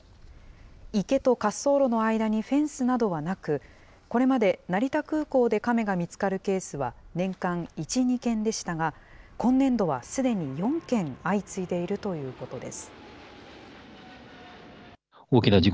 池と滑走路の間にフェンスなどはなく、これまで、成田空港でカメが見つかるケースは、年間１、２件でしたが、今年度はすでに４件相次いでいるということです。